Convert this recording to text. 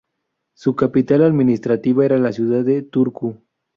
Su capital administrativa era la ciudad de Turku.